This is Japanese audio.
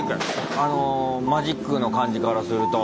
あのマジックの感じからすると。